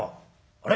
「あれ？